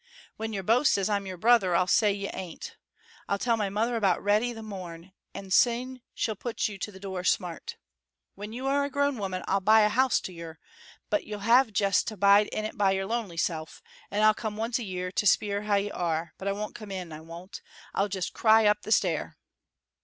"When yer boasts as I'm your brother I'll say you ain't. I'll tell my mother about Reddy the morn, and syne she'll put you to the door smart. "When you are a grown woman I'll buy a house to yer, but you'll have jest to bide in it by your lonely self, and I'll come once a year to speir how you are, but I won't come in, I won't I'll jest cry up the stair."